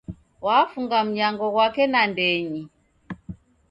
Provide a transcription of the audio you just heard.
Wafunga mnyango ghwake nandenyi